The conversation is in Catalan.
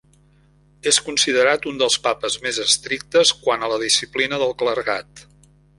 És considerat un dels papes més estrictes quant a la disciplina del clergat.